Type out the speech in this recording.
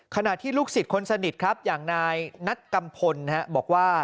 ขณะที่ลูกศิษย์คนสนิทครับอย่างนายนัดกัมพลบอกว่า